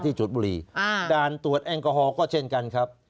จุดบุรีด่านตรวจแอลกอฮอลก็เช่นกันครับ